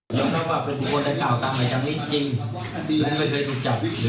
คนหญิงที่จับหน้านี้ครั้งแรกเนอะแล้วการรับแศกภาพ